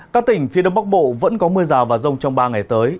các tỉnh phía đông bắc bộ vẫn có mưa rào và rông trong ba ngày tới